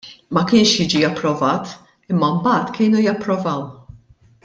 Ma kienx jiġi approvat imma mbagħad kienu japprovaw.